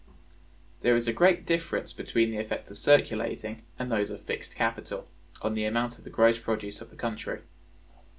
There is a great difference between the effects of circulating and those of fixed capital, on the amount of the gross produce of the country.